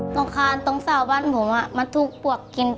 ต้องคาญตรงเสาบ้านผมมาถูกปวกกินมาก